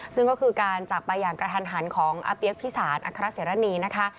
ซึ่งก็คือการจากไปอย่างกระทันหันของอาเปี๊ยกพิสารอัครเสรณีนะคะ